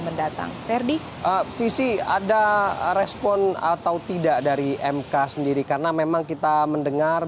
mendatang ferdi sisi ada respon atau tidak dari mk sendiri karena memang kita mendengar